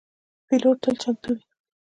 پیلوټ تل چمتو وي.